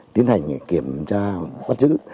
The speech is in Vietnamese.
tiến hành kiểm tra bắt giữ